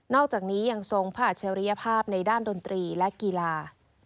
อกจากนี้ยังทรงพระอัจฉริยภาพในด้านดนตรีและกีฬา